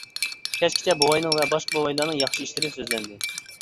كەچكىچە بوۋاينىڭ ۋە باشقا بوۋايلارنىڭ ياخشى ئىشلىرى سۆزلەندى.